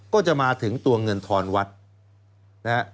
ก็จะมาถึงตัวเงินทรวัตร